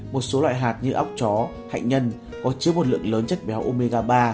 một số loại hạt như ốc chó hạnh nhân có chứa một lượng lớn chất béo omega ba